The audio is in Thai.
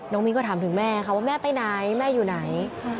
มิ้นก็ถามถึงแม่ค่ะว่าแม่ไปไหนแม่อยู่ไหน